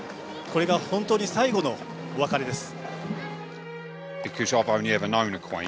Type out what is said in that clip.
これが本当に最後のお別れです。